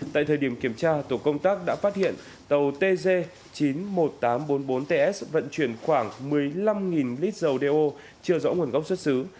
tại thời điểm kiểm tra tổ công tác đã phát hiện tàu tz chín mươi một nghìn tám trăm bốn mươi bốn ts vận chuyển khoảng một mươi năm lít dầu đeo chưa rõ nguồn gốc xuất xứ